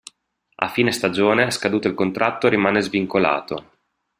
A fine stagione, scaduto il contratto rimane svincolato.